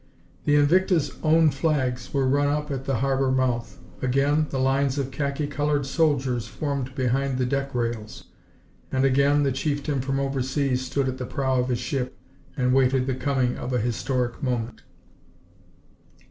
The Invicta's own flags were run up at the harbor mouth. Again the lines of khaki colored soldiers formed behind the deck rails, and again the chieftain from overseas stood at the prow of his ship and waited the coming of a historic moment.